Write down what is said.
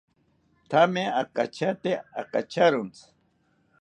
Thame akachate akacharontzi